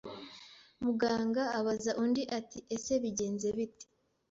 umuganga abaza undi ati ese bigenze bite?